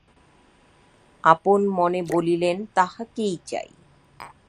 আপন-মনে বলিলেন, তাহাকেই চাই।